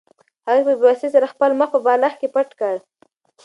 هغې په بې وسۍ سره خپل مخ په بالښت کې پټ کړ.